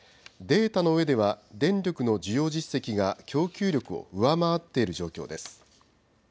データの上では電力の需要実績が供給力を上回っている状況です。